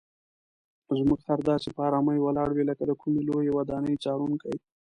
زموږ خر داسې په آرامۍ ولاړ وي لکه د کومې لویې ودانۍ څارونکی.